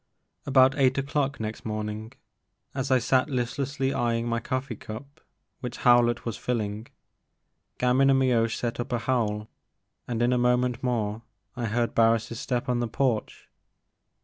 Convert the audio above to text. ABOUT eight o'clock next morning, as I sat listlessly eyeing my coffee cup which How lett was filling, Gamin and Mioche set up a howl, and in a moment more I heard Harris' step on the porch.